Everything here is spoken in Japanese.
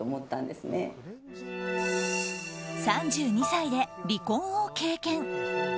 ３２歳で離婚を経験。